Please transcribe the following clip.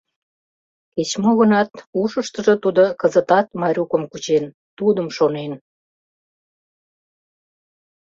Кеч-мо гынат, ушыштыжо тудо кызытат Майрукым кучен, тудым шонен.